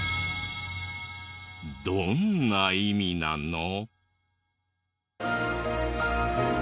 どんな意味なの？